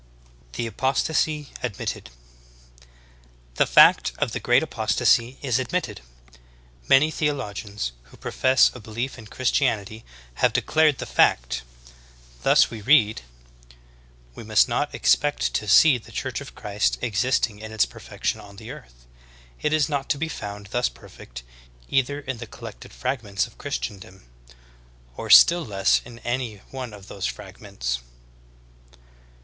THE APOSTASY ADMITTED. 27. The fact of the great apostasy is admitted. Many theologians who profess a belief in Christianity have declared the fact. Thus we read : *'We must not expect to see the Church of Christ existing in its perfection on the earth. It is not to be found thus perfect, either in the collected fragments of Christendom or still less in any one of those fragments."